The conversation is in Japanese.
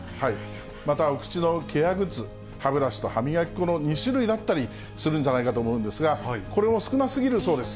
またお口のケアグッズ、歯ブラシと歯磨き粉の２種類だったりするんじゃないかと思うんですが、これも少なすぎるそうです。